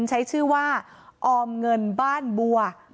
ใช้ชื่อว่าออมเงินบ้านบัว